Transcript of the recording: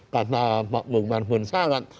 kata pak bukman pun sangat